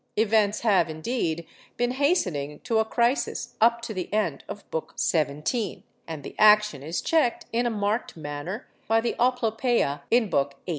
Events have, indeed, been hastening to a crisis up to the end of Book XVII., and the action is checked in a marked manner by the 'Oplopœia' in Book XVIII.